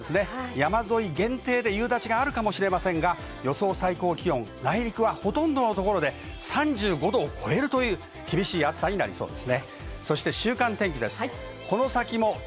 山沿いではあるかもしれませんが、予想最高気温、内陸はほとんどのところで３５度を超える厳しい暑さになりそうです。